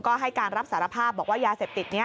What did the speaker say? ก็ให้การรับสารภาพบอกว่ายาเสพติดนี้